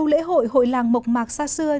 lễ hội hội làng mộc mạc xa xưa